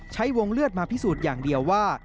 ใช้วงเลือดมาพิสูจน์อย่างเดียวว่า